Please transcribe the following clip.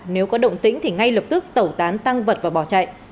nếu có động tĩnh thì ngay lập tức tẩu tán tăng vật và bỏ chạy